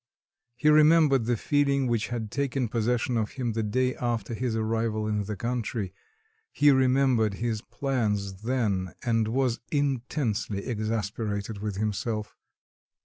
He remembered the feeling which had taken possession of him the day after his arrival in the country; he remembered his plans then and was intensely exasperated with himself.